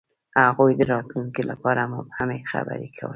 هغوی د راتلونکي لپاره مبهمې خبرې کولې.